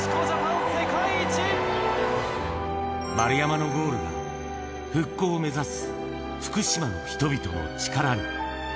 丸山のゴールが、復興を目指す福島の人々の力に。